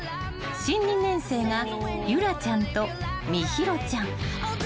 ［新２年生が優心ちゃんと心優ちゃん］